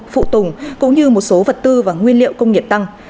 phụ tùng cũng như một số vật tư và nguyên liệu công nghiệp tăng